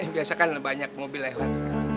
biasa kan banyak mobil lewat